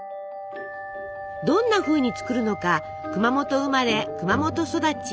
どんなふうに作るのか熊本生まれ熊本育ち。